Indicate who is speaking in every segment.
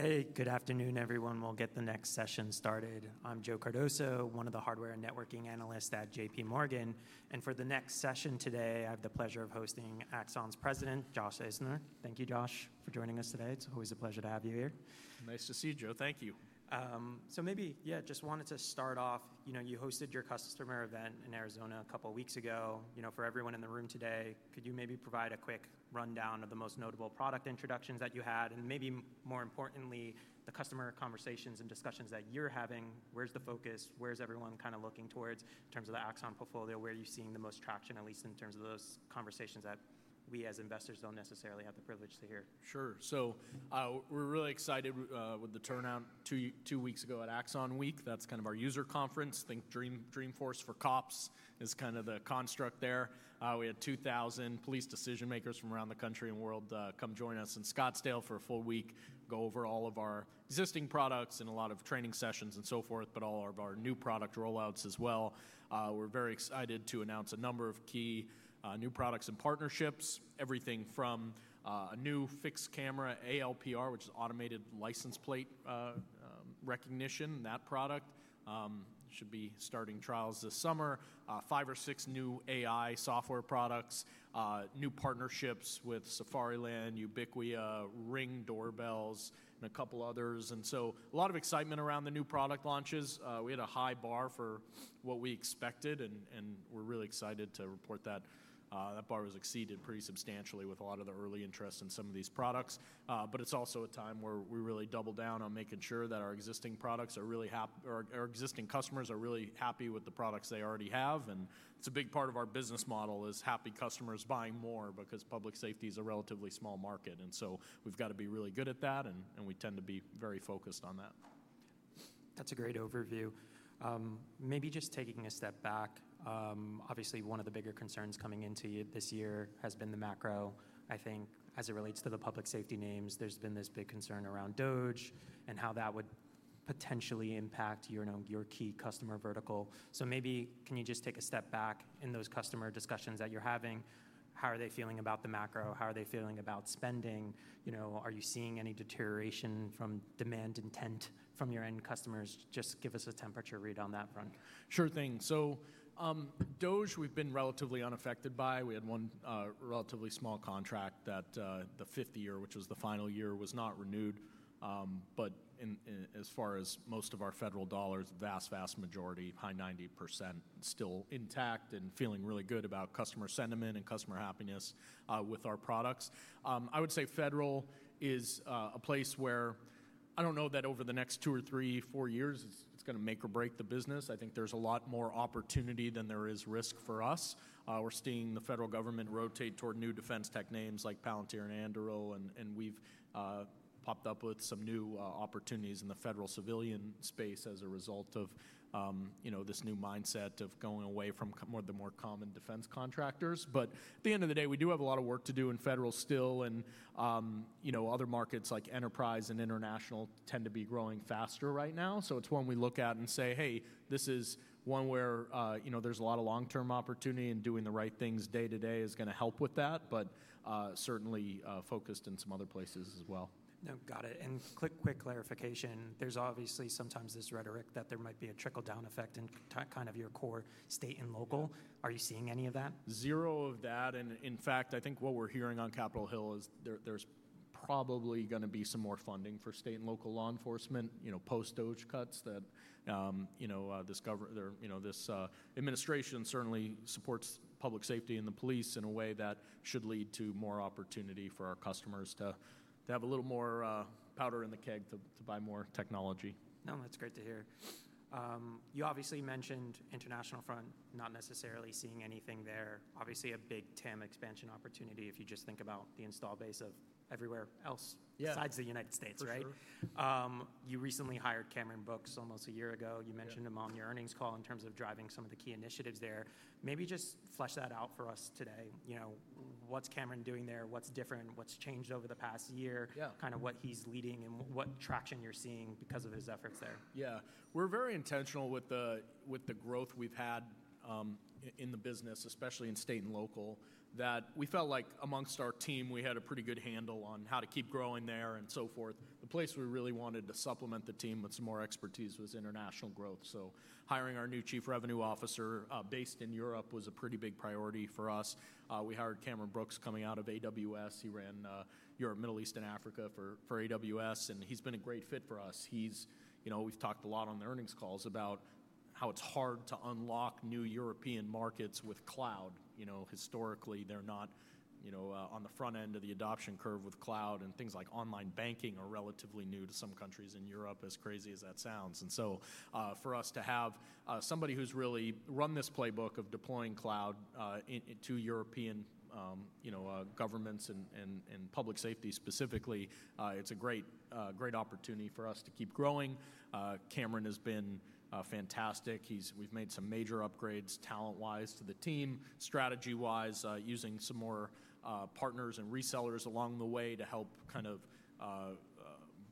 Speaker 1: Hey, good afternoon, everyone. We'll get the next session started. I'm Joe Cardozo, one of the hardware and networking analysts at JPMorgan Chase & Co. For the next session today, I have the pleasure of hosting Axon's President, Josh Isner. Thank you, Josh, for joining us today. It's always a pleasure to have you here.
Speaker 2: Nice to see you, Joe. Thank you.
Speaker 1: Maybe, yeah, just wanted to start off. You hosted your customer event in Arizona a couple of weeks ago. For everyone in the room today, could you maybe provide a quick rundown of the most notable product introductions that you had? Maybe more importantly, the customer conversations and discussions that you're having. Where's the focus? Where's everyone kind of looking towards in terms of the Axon portfolio? Where are you seeing the most traction, at least in terms of those conversations that we as investors don't necessarily have the privilege to hear?
Speaker 2: Sure. We are really excited with the turnout two weeks ago at Axon Week. That is kind of our user conference. I think Dreamforce for cops is kind of the construct there. We had 2,000 police decision makers from around the country and world come join us in Scottsdale for a full week, go over all of our existing products and a lot of training sessions and so forth, but all of our new product rollouts as well. We are very excited to announce a number of key new products and partnerships, everything from a new fixed camera ALPR, which is Automated License Plate Recognition, that product should be starting trials this summer, five or six new AI software products, new partnerships with SafariLAN, Ubiquitiya, Ring doorbells, and a couple of others. There is a lot of excitement around the new product launches. We had a high bar for what we expected, and we're really excited to report that that bar has exceeded pretty substantially with a lot of the early interest in some of these products. It is also a time where we really double down on making sure that our existing products are really happy, or our existing customers are really happy with the products they already have. It is a big part of our business model, happy customers buying more because public safety is a relatively small market. We have got to be really good at that, and we tend to be very focused on that.
Speaker 1: That's a great overview. Maybe just taking a step back, obviously one of the bigger concerns coming into this year has been the macro. I think as it relates to the public safety names, there's been this big concern around DOGE and how that would potentially impact your key customer vertical. Maybe can you just take a step back in those customer discussions that you're having? How are they feeling about the macro? How are they feeling about spending? Are you seeing any deterioration from demand intent from your end customers? Just give us a temperature read on that front.
Speaker 3: Sure thing. DOGE, we've been relatively unaffected by. We had one relatively small contract that the fifth year, which was the final year, was not renewed. As far as most of our federal dollars, vast, vast majority, high 90% still intact and feeling really good about customer sentiment and customer happiness with our products. I would say federal is a place where I don't know that over the next two or three, four years, it's going to make or break the business. I think there's a lot more opportunity than there is risk for us. We're seeing the federal government rotate toward new defense tech names like Palantir and Anduril, and we've popped up with some new opportunities in the federal civilian space as a result of this new mindset of going away from the more common defense contractors. At the end of the day, we do have a lot of work to do in federal still, and other markets like enterprise and international tend to be growing faster right now. It is one we look at and say, hey, this is one where there is a lot of long-term opportunity, and doing the right things day to day is going to help with that, but certainly focused in some other places as well.
Speaker 1: Got it. Quick clarification, there's obviously sometimes this rhetoric that there might be a trickle-down effect in kind of your core state and local. Are you seeing any of that?
Speaker 3: Zero of that. In fact, I think what we're hearing on Capitol Hill is there's probably going to be some more funding for state and local law enforcement post-DOGE cuts. This administration certainly supports public safety and the police in a way that should lead to more opportunity for our customers to have a little more powder in the keg to buy more technology.
Speaker 1: No, that's great to hear. You obviously mentioned international front, not necessarily seeing anything there. Obviously a big TAM expansion opportunity if you just think about the install base of everywhere else besides the United States, right?
Speaker 3: That's true.
Speaker 1: You recently hired Cameron Brooks almost a year ago. You mentioned him on your earnings call in terms of driving some of the key initiatives there. Maybe just flesh that out for us today. What's Cameron doing there? What's different? What's changed over the past year? Kind of what he's leading and what traction you're seeing because of his efforts there.
Speaker 3: Yeah. We're very intentional with the growth we've had in the business, especially in state and local, that we felt like amongst our team, we had a pretty good handle on how to keep growing there and so forth. The place we really wanted to supplement the team with some more expertise was international growth. Hiring our new Chief Revenue Officer based in Europe was a pretty big priority for us. We hired Cameron Brooks coming out of AWS. He ran Europe, Middle East, and Africa for AWS, and he's been a great fit for us. We've talked a lot on the earnings calls about how it's hard to unlock new European markets with cloud. Historically, they're not on the front end of the adoption curve with cloud, and things like online banking are relatively new to some countries in Europe, as crazy as that sounds. For us to have somebody who's really run this playbook of deploying cloud to European governments and public safety specifically, it's a great opportunity for us to keep growing. Cameron has been fantastic. We've made some major upgrades talent-wise to the team, strategy-wise, using some more partners and resellers along the way to help kind of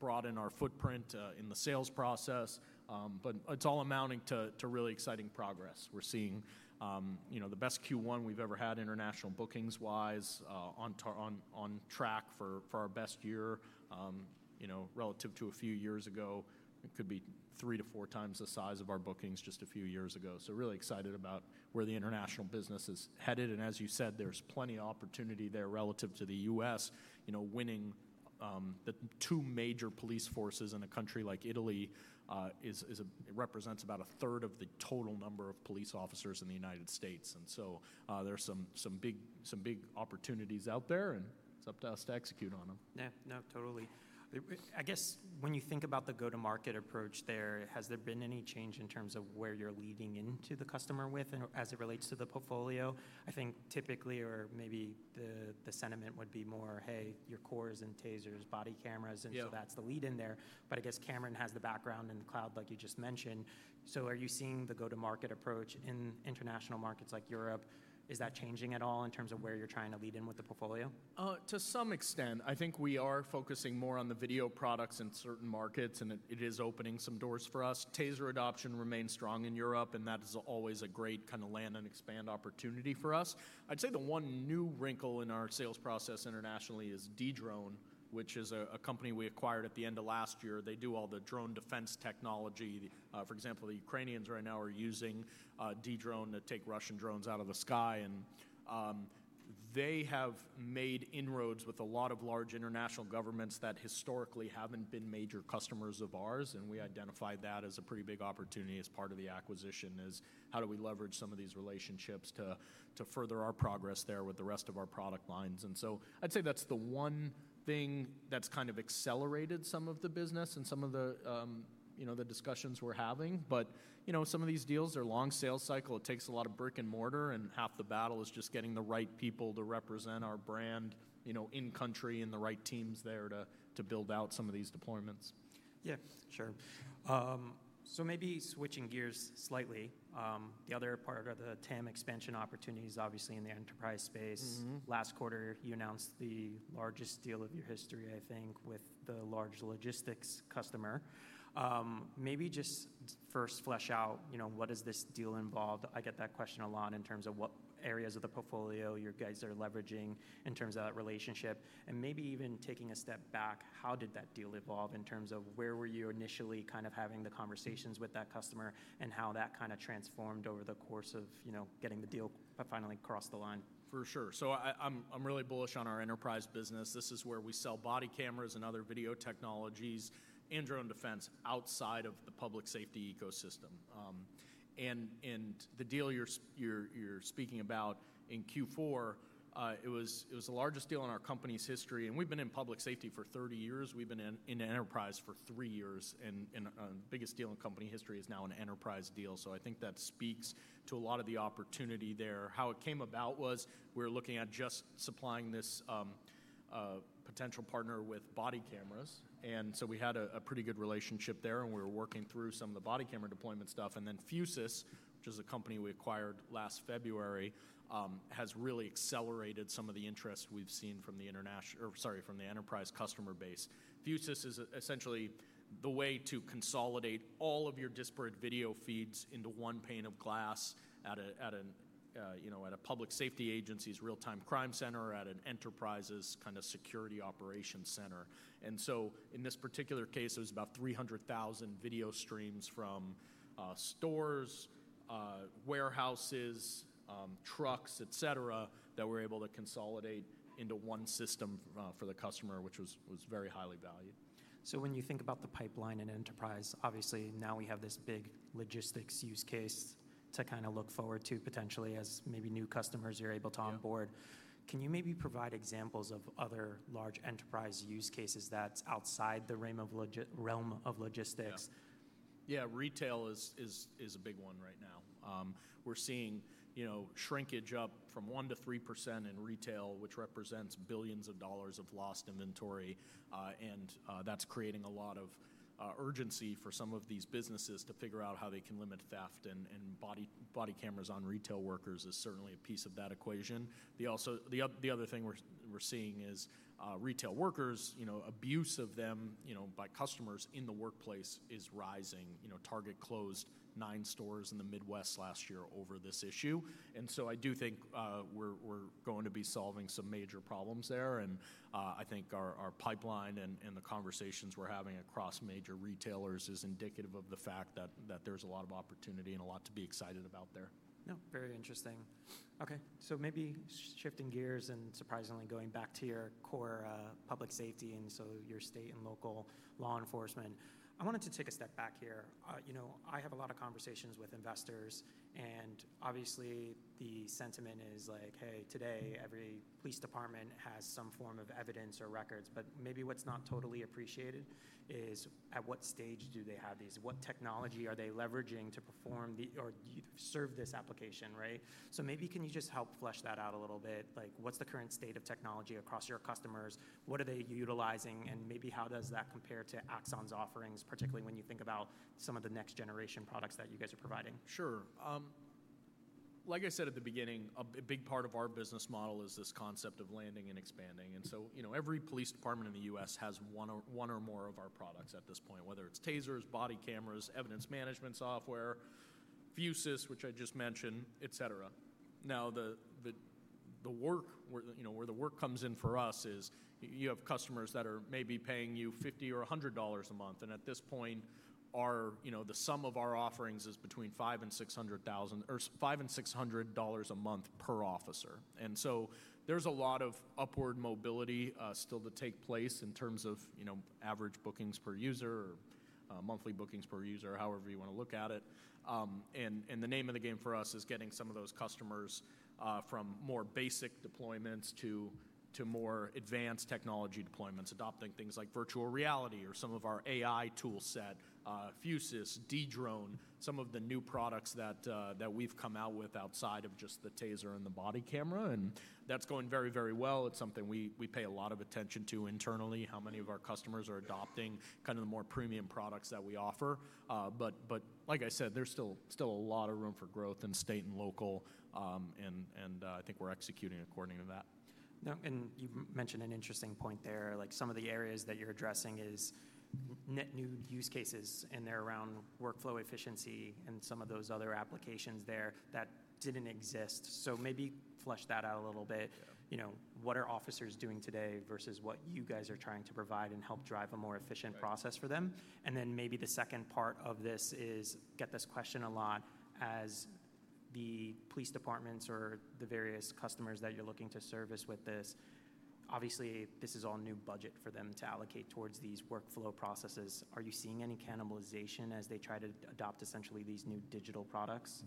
Speaker 3: broaden our footprint in the sales process. It's all amounting to really exciting progress. We're seeing the best Q1 we've ever had international bookings-wise on track for our best year relative to a few years ago. It could be three to four times the size of our bookings just a few years ago. Really excited about where the international business is headed. As you said, there's plenty of opportunity there relative to the U.S. Winning the two major police forces in a country like Italy represents about a third of the total number of police officers in the United States. There are some big opportunities out there, and it's up to us to execute on them.
Speaker 1: Yeah, no, totally. I guess when you think about the go-to-market approach there, has there been any change in terms of where you're leading into the customer with as it relates to the portfolio? I think typically, or maybe the sentiment would be more, hey, your cores and TASERs, body cameras, and so that's the lead in there. I guess Cameron has the background in the cloud, like you just mentioned. Are you seeing the go-to-market approach in international markets like Europe? Is that changing at all in terms of where you're trying to lead in with the portfolio?
Speaker 3: To some extent. I think we are focusing more on the video products in certain markets, and it is opening some doors for us. TASER adoption remains strong in Europe, and that is always a great kind of land and expand opportunity for us. I'd say the one new wrinkle in our sales process internationally is Dedrone, which is a company we acquired at the end of last year. They do all the drone defense technology. For example, the Ukrainians right now are using Dedrone to take Russian drones out of the sky. They have made inroads with a lot of large international governments that historically have not been major customers of ours. We identified that as a pretty big opportunity as part of the acquisition, as how do we leverage some of these relationships to further our progress there with the rest of our product lines. I'd say that's the one thing that's kind of accelerated some of the business and some of the discussions we're having. Some of these deals are long sales cycle. It takes a lot of brick and mortar, and half the battle is just getting the right people to represent our brand in country and the right teams there to build out some of these deployments.
Speaker 1: Yeah, sure. Maybe switching gears slightly, the other part of the TAM expansion opportunity is obviously in the enterprise space. Last quarter, you announced the largest deal of your history, I think, with the large logistics customer. Maybe just first flesh out what does this deal involve? I get that question a lot in terms of what areas of the portfolio you guys are leveraging in terms of that relationship. Maybe even taking a step back, how did that deal evolve in terms of where were you initially kind of having the conversations with that customer and how that kind of transformed over the course of getting the deal finally across the line?
Speaker 3: For sure. I'm really bullish on our enterprise business. This is where we sell body cameras and other video technologies and drone defense outside of the public safety ecosystem. The deal you're speaking about in Q4, it was the largest deal in our company's history. We've been in public safety for 30 years. We've been in enterprise for three years. The biggest deal in company history is now an enterprise deal. I think that speaks to a lot of the opportunity there. How it came about was we were looking at just supplying this potential partner with body cameras. We had a pretty good relationship there, and we were working through some of the body camera deployment stuff. Fusus, which is a company we acquired last February, has really accelerated some of the interest we've seen from the enterprise customer base. Fusus is essentially the way to consolidate all of your disparate video feeds into one pane of glass at a public safety agency's real-time crime center or at an enterprise's kind of security operations center. In this particular case, there was about 300,000 video streams from stores, warehouses, trucks, et cetera, that we were able to consolidate into one system for the customer, which was very highly valued.
Speaker 1: When you think about the pipeline in enterprise, obviously now we have this big logistics use case to kind of look forward to potentially as maybe new customers you're able to onboard. Can you maybe provide examples of other large enterprise use cases that's outside the realm of logistics?
Speaker 3: Yeah, retail is a big one right now. We're seeing shrinkage up from 1%-3% in retail, which represents billions of dollars of lost inventory. That's creating a lot of urgency for some of these businesses to figure out how they can limit theft. Body cameras on retail workers is certainly a piece of that equation. The other thing we're seeing is retail workers, abuse of them by customers in the workplace is rising. Target closed nine stores in the Midwest last year over this issue. I do think we're going to be solving some major problems there. I think our pipeline and the conversations we're having across major retailers is indicative of the fact that there's a lot of opportunity and a lot to be excited about there.
Speaker 1: Yeah, very interesting. Okay, maybe shifting gears and surprisingly going back to your core public safety and your state and local law enforcement. I wanted to take a step back here. I have a lot of conversations with investors, and obviously the sentiment is like, hey, today every police department has some form of evidence or records. Maybe what's not totally appreciated is at what stage do they have these? What technology are they leveraging to perform or serve this application, right? Maybe can you just help flesh that out a little bit? What's the current state of technology across your customers? What are they utilizing? Maybe how does that compare to Axon's offerings, particularly when you think about some of the next generation products that you guys are providing?
Speaker 3: Sure. Like I said at the beginning, a big part of our business model is this concept of landing and expanding. Every police department in the U.S. has one or more of our products at this point, whether it's TASERs, body cameras, Evidence Management Software, Fusus, which I just mentioned, et cetera. Now, where the work comes in for us is you have customers that are maybe paying you $50 or $100 a month. At this point, the sum of our offerings is between $5 and $600,000 or $5 and $600 a month per officer. There is a lot of upward mobility still to take place in terms of average bookings per user or monthly bookings per user, however you want to look at it. The name of the game for us is getting some of those customers from more basic deployments to more advanced technology deployments, adopting things like virtual reality or some of our AI toolset, Fusus, Dedrone, some of the new products that we have come out with outside of just the TASER and the body camera. That is going very, very well. It is something we pay a lot of attention to internally, how many of our customers are adopting kind of the more premium products that we offer. Like I said, there is still a lot of room for growth in state and local, and I think we are executing according to that.
Speaker 1: You mentioned an interesting point there. Some of the areas that you're addressing is net new use cases and they're around workflow efficiency and some of those other applications there that didn't exist. Maybe flesh that out a little bit. What are officers doing today versus what you guys are trying to provide and help drive a more efficient process for them? Maybe the second part of this is, get this question a lot, as the police departments or the various customers that you're looking to service with this, obviously this is all new budget for them to allocate towards these workflow processes. Are you seeing any cannibalization as they try to adopt essentially these new digital products?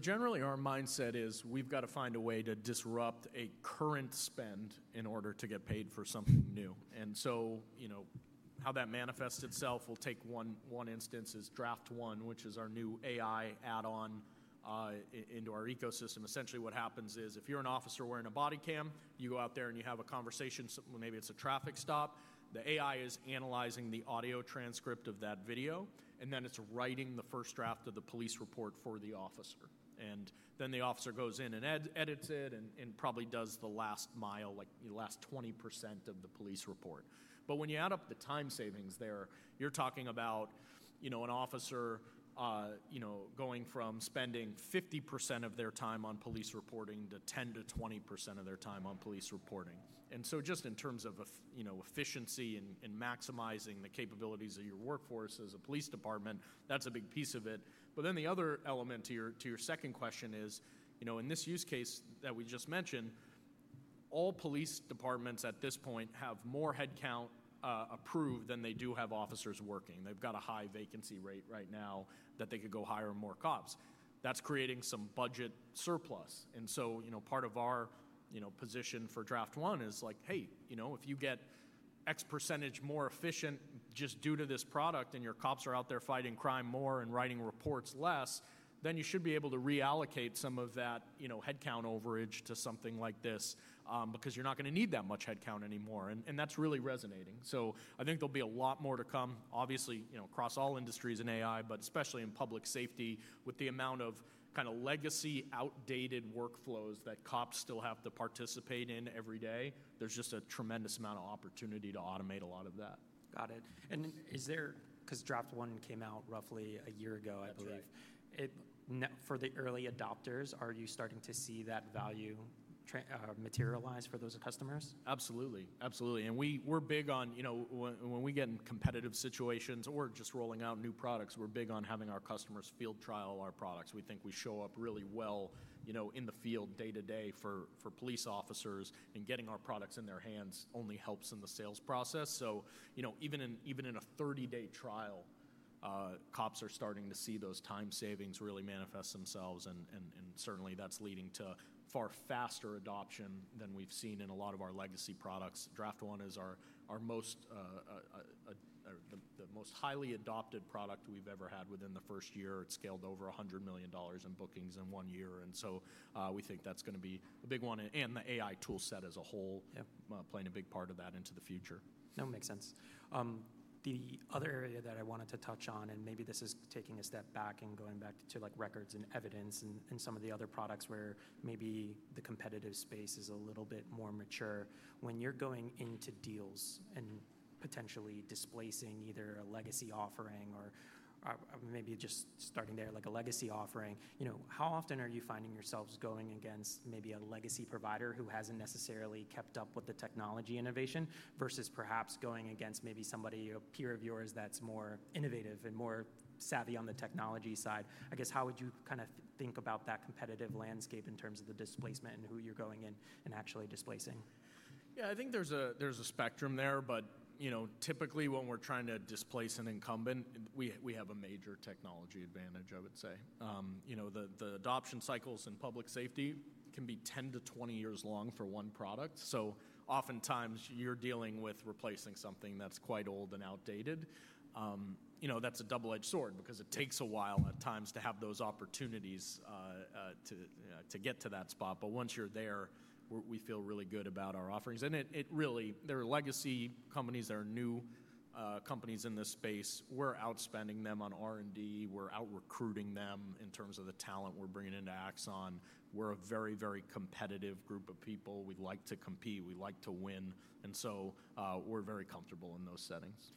Speaker 3: Generally, our mindset is we've got to find a way to disrupt a current spend in order to get paid for something new. How that manifests itself, we'll take one instance, is Draft One, which is our new AI add-on into our ecosystem. Essentially, what happens is if you're an officer wearing a body cam, you go out there and you have a conversation, maybe it's a traffic stop, the AI is analyzing the audio transcript of that video, and then it's writing the first draft of the police report for the officer. The officer goes in and edits it and probably does the last mile, like the last 20% of the police report. When you add up the time savings there, you're talking about an officer going from spending 50% of their time on police reporting to 10%-20% of their time on police reporting. Just in terms of efficiency and maximizing the capabilities of your workforce as a police department, that's a big piece of it. The other element to your second question is, in this use case that we just mentioned, all police departments at this point have more headcount approved than they do have officers working. They've got a high vacancy rate right now that they could go hire more cops. That's creating some budget surplus. Part of our position for Draft One is like, hey, if you get X% more efficient just due to this product and your cops are out there fighting crime more and writing reports less, then you should be able to reallocate some of that headcount overage to something like this because you're not going to need that much headcount anymore. That's really resonating. I think there'll be a lot more to come, obviously, across all industries in AI, but especially in public safety with the amount of kind of legacy outdated workflows that cops still have to participate in every day. There's just a tremendous amount of opportunity to automate a lot of that.
Speaker 1: Got it. Because Draft One came out roughly a year ago, I believe. For the early adopters, are you starting to see that value materialize for those customers?
Speaker 3: Absolutely. Absolutely. We're big on when we get in competitive situations or just rolling out new products, we're big on having our customers field trial our products. We think we show up really well in the field day-to-day for police officers, and getting our products in their hands only helps in the sales process. Even in a 30-day trial, cops are starting to see those time savings really manifest themselves. Certainly, that's leading to far faster adoption than we've seen in a lot of our legacy products. Draft One is the most highly adopted product we've ever had within the first year. It scaled over $100 million in bookings in one year. We think that's going to be a big one. The AI toolset as a whole is playing a big part of that into the future.
Speaker 1: That makes sense. The other area that I wanted to touch on, and maybe this is taking a step back and going back to records and evidence and some of the other products where maybe the competitive space is a little bit more mature. When you're going into deals and potentially displacing either a legacy offering or maybe just starting there like a legacy offering, how often are you finding yourselves going against maybe a legacy provider who hasn't necessarily kept up with the technology innovation versus perhaps going against maybe somebody, a peer of yours that's more innovative and more savvy on the technology side? I guess, how would you kind of think about that competitive landscape in terms of the displacement and who you're going in and actually displacing?
Speaker 3: Yeah, I think there's a spectrum there. Typically, when we're trying to displace an incumbent, we have a major technology advantage, I would say. The adoption cycles in public safety can be 10-20 years long for one product. Oftentimes, you're dealing with replacing something that's quite old and outdated. That's a double-edged sword because it takes a while at times to have those opportunities to get to that spot. Once you're there, we feel really good about our offerings. Really, there are legacy companies and there are new companies in this space. We're outspending them on R&D. We're outrecruiting them in terms of the talent we're bringing into Axon. We're a very, very competitive group of people. We like to compete. We like to win. We're very comfortable in those settings.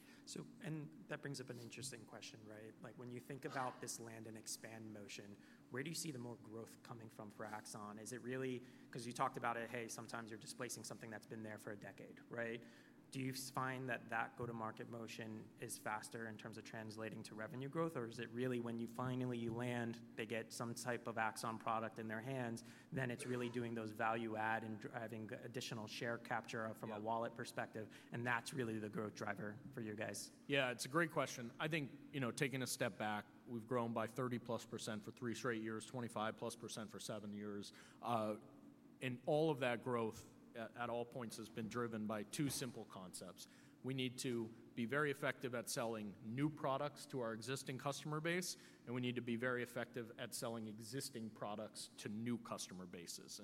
Speaker 1: That brings up an interesting question, right? When you think about this land and expand motion, where do you see the more growth coming from for Axon? Because you talked about it, hey, sometimes you're displacing something that's been there for a decade, right? Do you find that that go-to-market motion is faster in terms of translating to revenue growth? Or is it really when you finally land, they get some type of Axon product in their hands, then it's really doing those value-add and driving additional share capture from a wallet perspective? That's really the growth driver for you guys?
Speaker 3: Yeah, it's a great question. I think taking a step back, we've grown by 30%+ for three straight years, 25%+ for seven years. All of that growth at all points has been driven by two simple concepts. We need to be very effective at selling new products to our existing customer base, and we need to be very effective at selling existing products to new customer bases.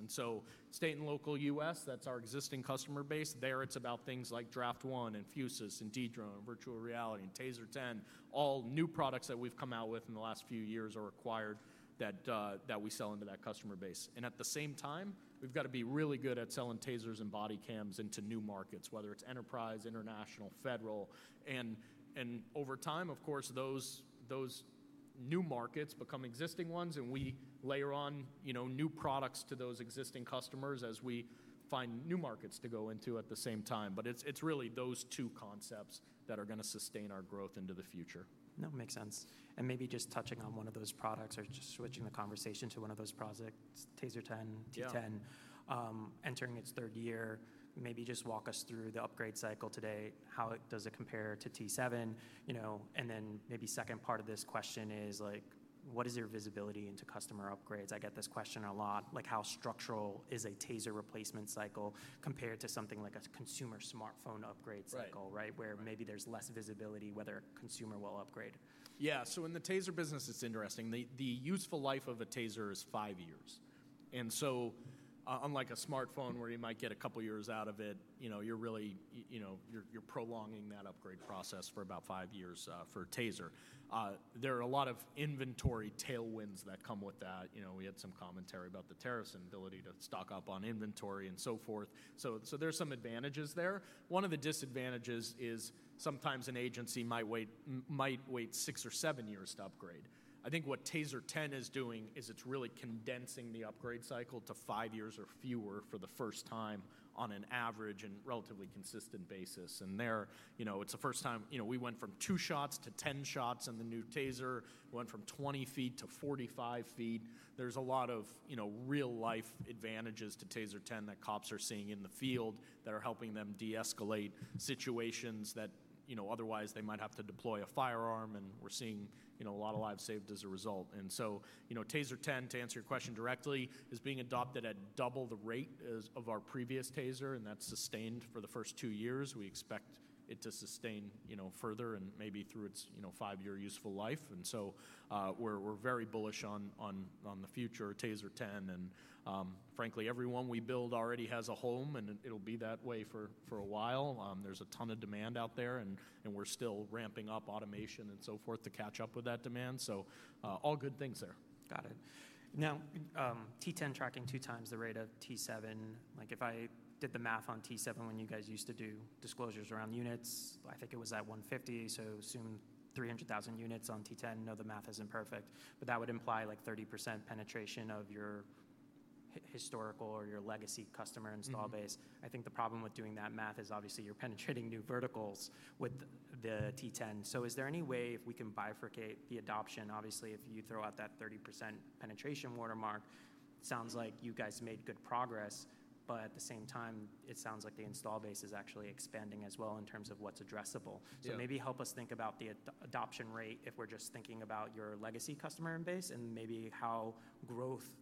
Speaker 3: State and local U.S., that's our existing customer base. There, it's about things like Draft One and Fusus and Dedrone and virtual reality and TASER 10. All new products that we've come out with in the last few years or acquired that we sell into that customer base. At the same time, we've got to be really good at selling tasers and body cams into new markets, whether it's enterprise, international, federal. Over time, of course, those new markets become existing ones, and we layer on new products to those existing customers as we find new markets to go into at the same time. It is really those two concepts that are going to sustain our growth into the future.
Speaker 1: That makes sense. Maybe just touching on one of those products or just switching the conversation to one of those products, TASER 10, T10, entering its third year, maybe just walk us through the upgrade cycle today, how does it compare to T7? Maybe second part of this question is, what is your visibility into customer upgrades? I get this question a lot. How structural is a TASER replacement cycle compared to something like a consumer smartphone upgrade cycle, right, where maybe there's less visibility, whether a consumer will upgrade?
Speaker 3: Yeah, so in the TASER business, it's interesting. The useful life of a TASER is five years. And so unlike a smartphone where you might get a couple of years out of it, you're prolonging that upgrade process for about five years for a TASER. There are a lot of inventory tailwinds that come with that. We had some commentary about the tariffs and ability to stock up on inventory and so forth. So there's some advantages there. One of the disadvantages is sometimes an agency might wait six or seven years to upgrade. I think what TASER 10 is doing is it's really condensing the upgrade cycle to five years or fewer for the first time on an average and relatively consistent basis. And it's the first time we went from two shots to 10 shots in the new TASER. We went from 20-45 ft. is a lot of real-life advantages to TASER 10 that cops are seeing in the field that are helping them de-escalate situations that otherwise they might have to deploy a firearm, and we are seeing a lot of lives saved as a result. TASER 10, to answer your question directly, is being adopted at double the rate of our previous TASER, and that is sustained for the first two years. We expect it to sustain further and maybe through its five-year useful life. We are very bullish on the future of TASER 10. Frankly, every one we build already has a home, and it will be that way for a while. There is a ton of demand out there, and we are still ramping up automation and so forth to catch up with that demand. All good things there.
Speaker 1: Got it. Now, T10 tracking two times the rate of T7. If I did the math on T7 when you guys used to do disclosures around units, I think it was at 150, so assume 300,000 units on T10. No, the math isn't perfect. That would imply like 30% penetration of your historical or your legacy customer install base. I think the problem with doing that math is obviously you're penetrating new verticals with the T10. Is there any way if we can bifurcate the adoption? Obviously, if you throw out that 30% penetration watermark, it sounds like you guys made good progress. At the same time, it sounds like the install base is actually expanding as well in terms of what's addressable. Maybe help us think about the adoption rate if we're just thinking about your legacy customer base and maybe how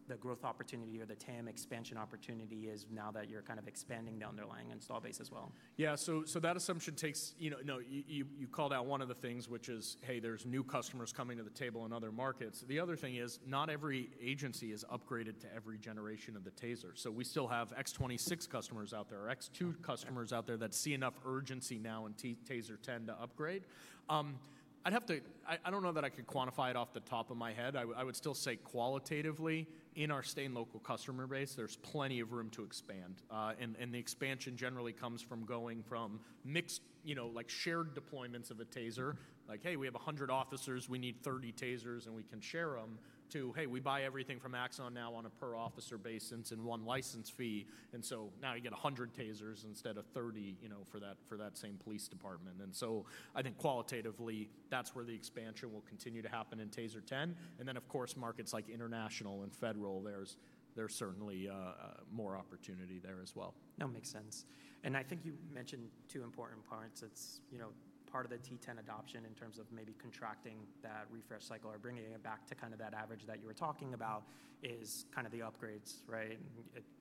Speaker 1: the growth opportunity or the TAM expansion opportunity is now that you're kind of expanding the underlying install base as well.
Speaker 3: Yeah, so that assumption takes you called out one of the things, which is, hey, there's new customers coming to the table in other markets. The other thing is not every agency is upgraded to every generation of the TASER. So we still have X26 customers out there or X2 customers out there that see enough urgency now in TASER 10 to upgrade. I don't know that I could quantify it off the top of my head. I would still say qualitatively, in our state and local customer base, there's plenty of room to expand. The expansion generally comes from going from mixed shared deployments of a TASER, like, hey, we have 100 officers, we need 30 TASERs, and we can share them, to, hey, we buy everything from Axon now on a per officer basis and one license fee. You get 100 TASERs instead of 30 for that same police department. I think qualitatively, that's where the expansion will continue to happen in TASER 10. Of course, markets like international and federal, there's certainly more opportunity there as well.
Speaker 1: That makes sense. I think you mentioned two important parts. It is part of the TASER 10 adoption in terms of maybe contracting that refresh cycle or bringing it back to kind of that average that you were talking about is kind of the upgrades, right?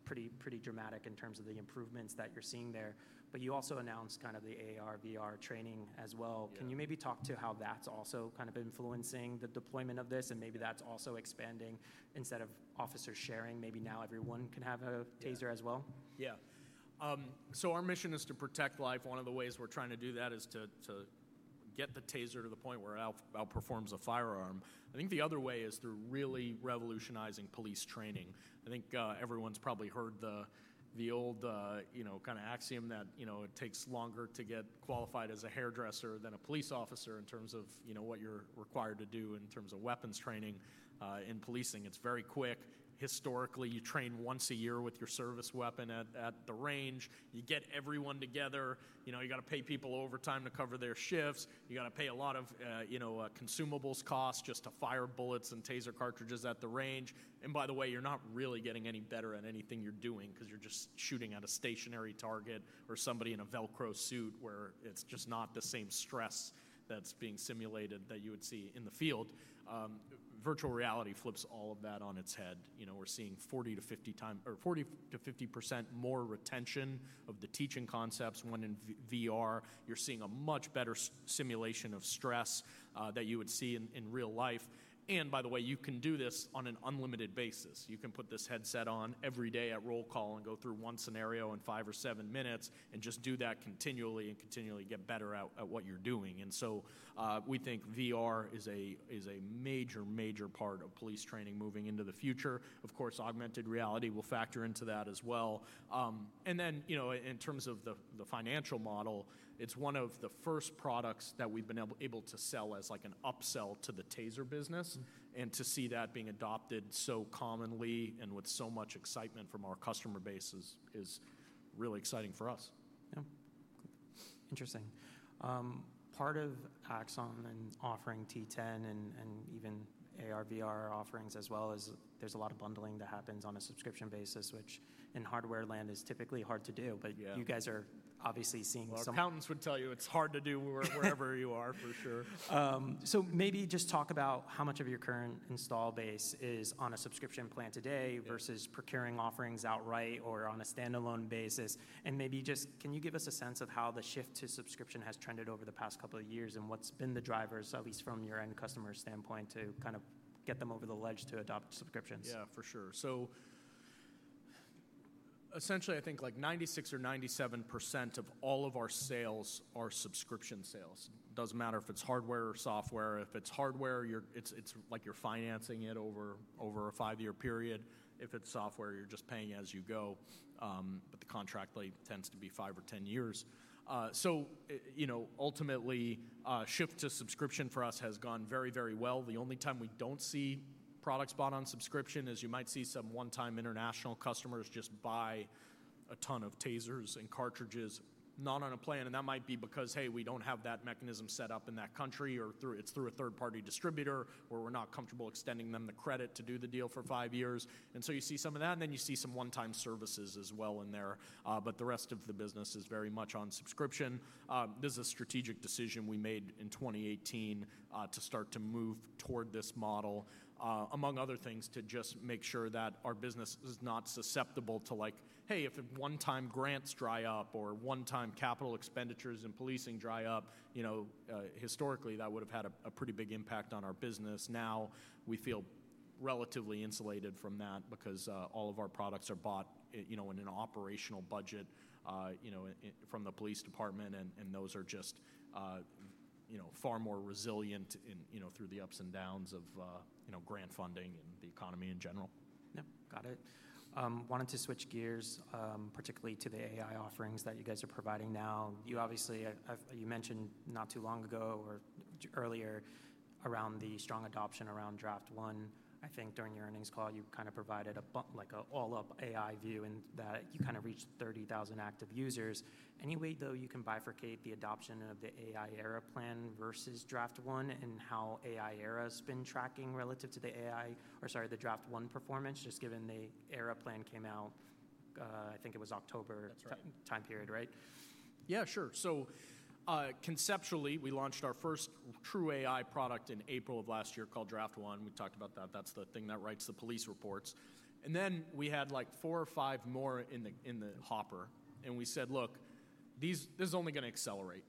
Speaker 1: Pretty dramatic in terms of the improvements that you are seeing there. You also announced kind of the AR/VR training as well. Can you maybe talk to how that is also kind of influencing the deployment of this and maybe that is also expanding instead of officers sharing, maybe now everyone can have a TASER as well?
Speaker 3: Yeah. Our mission is to protect life. One of the ways we're trying to do that is to get the TASER to the point where it outperforms a firearm. I think the other way is through really revolutionizing police training. I think everyone's probably heard the old kind of axiom that it takes longer to get qualified as a hairdresser than a police officer in terms of what you're required to do in terms of weapons training in policing. It's very quick. Historically, you train once a year with your service weapon at the range. You get everyone together. You got to pay people overtime to cover their shifts. You got to pay a lot of consumables costs just to fire bullets and TASER cartridges at the range. By the way, you're not really getting any better at anything you're doing because you're just shooting at a stationary target or somebody in a Velcro suit where it's just not the same stress that's being simulated that you would see in the field. Virtual reality flips all of that on its head. We're seeing 40%-50% more retention of the teaching concepts when in VR. You're seeing a much better simulation of stress that you would see in real life. By the way, you can do this on an unlimited basis. You can put this headset on every day at roll call and go through one scenario in five or seven minutes and just do that continually and continually get better at what you're doing. We think VR is a major, major part of police training moving into the future. Of course, augmented reality will factor into that as well. In terms of the financial model, it is one of the first products that we have been able to sell as an upsell to the TASER business. To see that being adopted so commonly and with so much excitement from our customer base is really exciting for us.
Speaker 1: Yeah. Interesting. Part of Axon and offering T10 and even AR/VR offerings as well is there's a lot of bundling that happens on a subscription basis, which in hardware land is typically hard to do. You guys are obviously seeing some.
Speaker 3: Accountants would tell you it's hard to do wherever you are, for sure.
Speaker 1: Maybe just talk about how much of your current install base is on a subscription plan today versus procuring offerings outright or on a standalone basis. Maybe just can you give us a sense of how the shift to subscription has trended over the past couple of years and what's been the drivers, at least from your end customer standpoint, to kind of get them over the ledge to adopt subscriptions?
Speaker 3: Yeah, for sure. So essentially, I think like 96% or 97% of all of our sales are subscription sales. It does not matter if it is hardware or software. If it is hardware, it is like you are financing it over a five-year period. If it is software, you are just paying as you go. The contract tends to be five or 10 years. Ultimately, shift to subscription for us has gone very, very well. The only time we do not see products bought on subscription is you might see some one-time international customers just buy a ton of TASERs and cartridges not on a plan. That might be because, hey, we do not have that mechanism set up in that country or it is through a third-party distributor or we are not comfortable extending them the credit to do the deal for five years. You see some of that. You see some one-time services as well in there. The rest of the business is very much on subscription. This is a strategic decision we made in 2018 to start to move toward this model, among other things, to just make sure that our business is not susceptible to, like, hey, if one-time grants dry up or one-time capital expenditures in policing dry up, historically, that would have had a pretty big impact on our business. Now we feel relatively insulated from that because all of our products are bought in an operational budget from the police department, and those are just far more resilient through the ups and downs of grant funding and the economy in general.
Speaker 1: Yeah, got it. Wanted to switch gears, particularly to the AI offerings that you guys are providing now. You obviously, you mentioned not too long ago or earlier around the strong adoption around Draft One. I think during your earnings call, you kind of provided an all-up AI view and that you kind of reached 30,000 active users. Any way, though, you can bifurcate the adoption of the AI Era Plan versus Draft One and how AI Era has been tracking relative to the AI or sorry, the Draft One performance, just given the Era Plan came out, I think it was October.
Speaker 3: That's right.
Speaker 1: Time period, right?
Speaker 3: Yeah, sure. So conceptually, we launched our first true AI product in April of last year called Draft One. We talked about that. That's the thing that writes the police reports. And then we had like four or five more in the hopper. We said, look, this is only going to accelerate.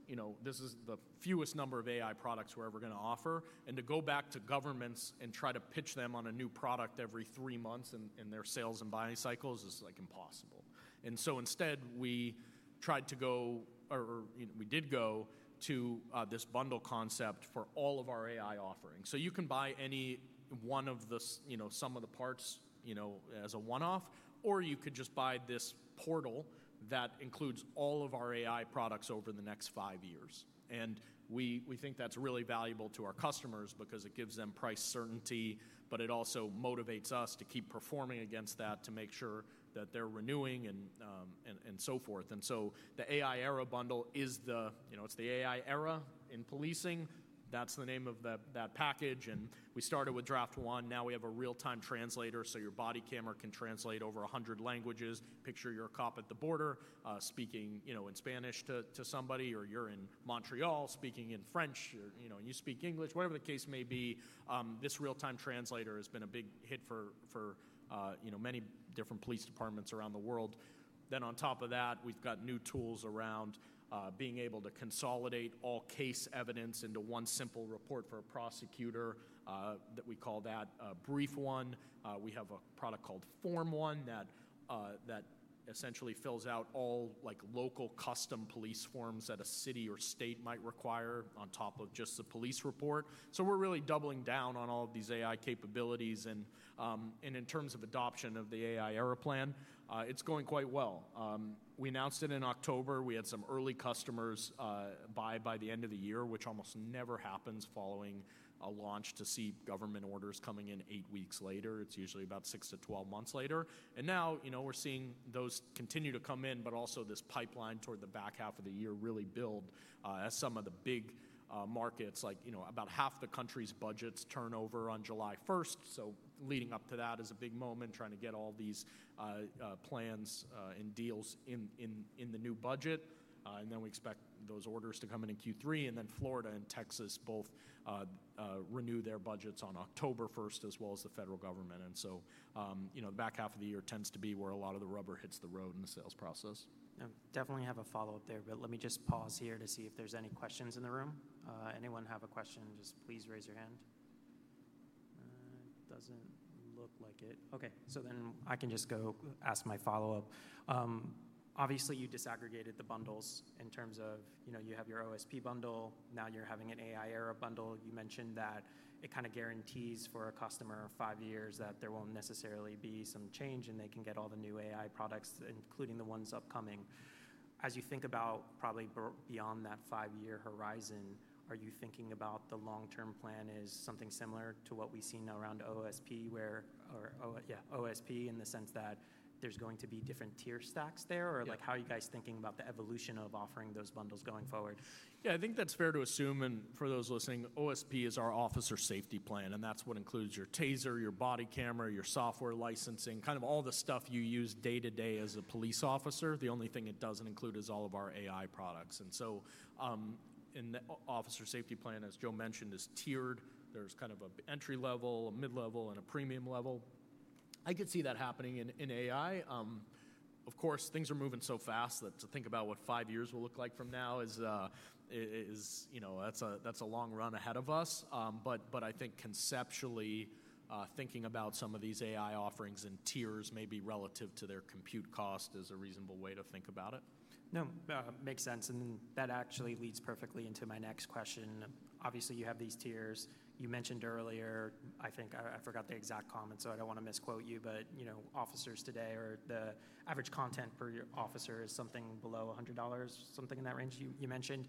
Speaker 3: This is the fewest number of AI products we're ever going to offer. To go back to governments and try to pitch them on a new product every three months in their sales and buying cycles is like impossible. Instead, we tried to go or we did go to this bundle concept for all of our AI offerings. You can buy any one of some of the parts as a one-off, or you could just buy this portal that includes all of our AI products over the next five years. We think that's really valuable to our customers because it gives them price certainty, but it also motivates us to keep performing against that to make sure that they're renewing and so forth. The AI Era bundle is the AI Era in policing. That's the name of that package. We started with Draft One. Now we have a real-time translator, so your body camera can translate over 100 languages. Picture your cop at the border speaking in Spanish to somebody, or you're in Montreal speaking in French, or you speak English, whatever the case may be. This real-time translator has been a big hit for many different police departments around the world. On top of that, we've got new tools around being able to consolidate all case evidence into one simple report for a prosecutor that we call Brief One. We have a product called Form One that essentially fills out all local custom police forms that a city or state might require on top of just the police report. We are really doubling down on all of these AI capabilities. In terms of adoption of the AI era plan, it is going quite well. We announced it in October. We had some early customers buy by the end of the year, which almost never happens following a launch to see government orders coming in eight weeks later. It is usually about 6-12 months later. Now we are seeing those continue to come in, but also this pipeline toward the back half of the year really build as some of the big markets, like about half the country's budgets, turn over on July 1st. Leading up to that is a big moment trying to get all these plans and deals in the new budget. We expect those orders to come in in Q3. Florida and Texas both renew their budgets on October 1st as well as the federal government. The back half of the year tends to be where a lot of the rubber hits the road in the sales process.
Speaker 1: Yeah. Definitely have a follow-up there, but let me just pause here to see if there's any questions in the room. Anyone have a question, just please raise your hand. Doesn't look like it. Okay. I can just go ask my follow-up. Obviously, you disaggregated the bundles in terms of you have your OSP bundle. Now you're having an AI era bundle. You mentioned that it kind of guarantees for a customer five years that there won't necessarily be some change and they can get all the new AI products, including the ones upcoming. As you think about probably beyond that five-year horizon, are you thinking about the long-term plan as something similar to what we've seen around OSP or, yeah, OSP in the sense that there's going to be different tier stacks there, or how are you guys thinking about the evolution of offering those bundles going forward?
Speaker 3: Yeah, I think that's fair to assume. For those listening, OSP is our officer safety plan. That's what includes your TASER, your body camera, your software licensing, kind of all the stuff you use day-to-day as a police officer. The only thing it doesn't include is all of our AI products. In the officer safety plan, as Joe mentioned, it is tiered. There's kind of an entry level, a mid-level, and a premium level. I could see that happening in AI. Of course, things are moving so fast that to think about what five years will look like from now is, that's a long run ahead of us. I think conceptually, thinking about some of these AI offerings in tiers may be relative to their compute cost as a reasonable way to think about it.
Speaker 1: No, makes sense. That actually leads perfectly into my next question. Obviously, you have these tiers. You mentioned earlier, I think I forgot the exact comment, so I do not want to misquote you, but officers today or the average content per officer is something below $100, something in that range you mentioned.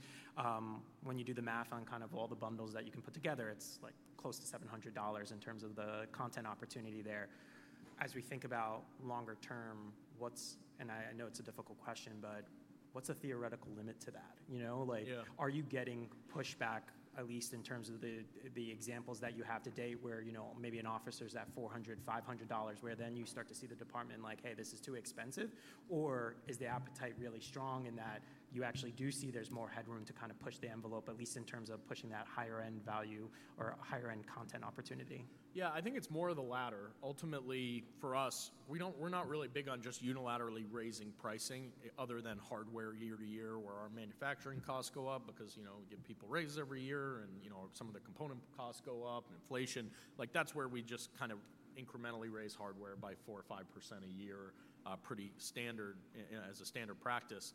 Speaker 1: When you do the math on kind of all the bundles that you can put together, it is like close to $700 in terms of the content opportunity there. As we think about longer term, what is—and I know it is a difficult question—what is the theoretical limit to that? Are you getting pushback, at least in terms of the examples that you have today where maybe an officer's at $400, $500, where then you start to see the department like, "Hey, this is too expensive," or is the appetite really strong in that you actually do see there's more headroom to kind of push the envelope, at least in terms of pushing that higher-end value or higher-end content opportunity?
Speaker 3: Yeah, I think it's more of the latter. Ultimately, for us, we're not really big on just unilaterally raising pricing other than hardware year to year where our manufacturing costs go up because we give people raises every year and some of the component costs go up and inflation. Like that's where we just kind of incrementally raise hardware by 4% or 5% a year, pretty standard as a standard practice.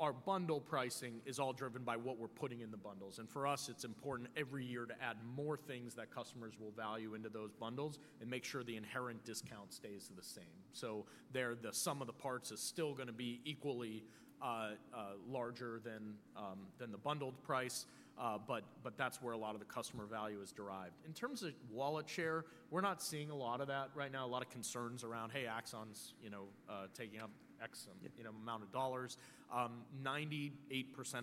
Speaker 3: Our bundle pricing is all driven by what we're putting in the bundles. For us, it's important every year to add more things that customers will value into those bundles and make sure the inherent discount stays the same. There the sum of the parts is still going to be equally larger than the bundled price, but that's where a lot of the customer value is derived. In terms of wallet share, we're not seeing a lot of that right now. A lot of concerns around, "Hey, Axon's taking up X amount of dollars." 98%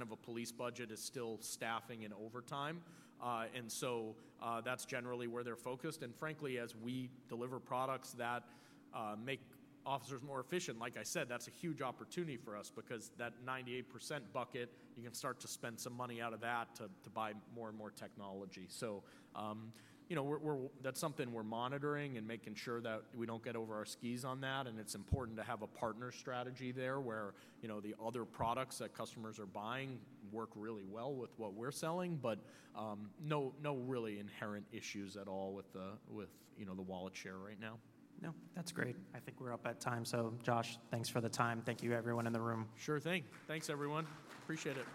Speaker 3: of a police budget is still staffing and overtime. That is generally where they're focused. Frankly, as we deliver products that make officers more efficient, like I said, that's a huge opportunity for us because that 98% bucket, you can start to spend some money out of that to buy more and more technology. That is something we're monitoring and making sure that we don't get over our skis on that. It is important to have a partner strategy there where the other products that customers are buying work really well with what we're selling, but no really inherent issues at all with the wallet share right now.
Speaker 1: No, that's great. I think we're up at time. So Josh, thanks for the time. Thank you, everyone in the room.
Speaker 3: Sure thing. Thanks, everyone. Appreciate it.